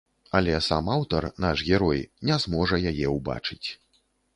Але сам аўтар, наш герой, не зможа яе ўбачыць.